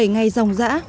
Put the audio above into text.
một mươi bảy ngày dòng dã